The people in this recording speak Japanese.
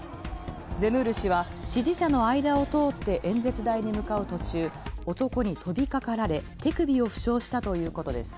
ゼムール氏は支持者の間を通って、演説台に向かう途中男に飛びかかられ手首を負傷したということです。